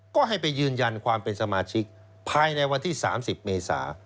ก็ให้ไปยืนยันความเป็นสมาชิกภายในวันที่๓๐เมษา